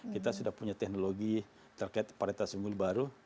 kita sudah punya teknologi terkait paritas unggul baru